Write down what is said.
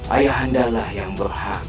ayah andalah yang berhak